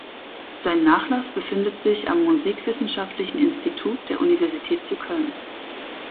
Sein Nachlass befindet sich am Musikwissenschaftlichen Institut der Universität zu Köln.